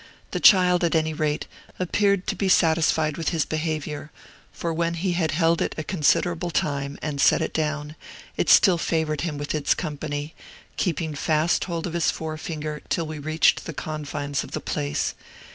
The child, at any rate, appeared to be satisfied with his behavior; for when he had held it a considerable time, and set it down, it still favored him with its company, keeping fast hold of his forefinger till we reached the confines of the place.